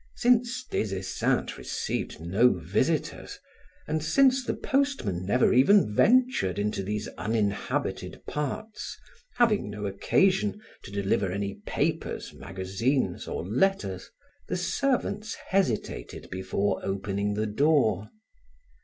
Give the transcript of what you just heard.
Since Des Esseintes received no visitors, and since the postman never even ventured into these uninhabited parts, having no occasion to deliver any papers, magazines or letters, the servants hesitated before opening the door.